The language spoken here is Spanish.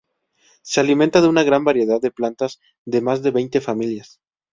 Se alimenta de una gran variedad de plantas de más de veinte familias.